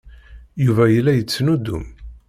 Yuba yella yettnuddum.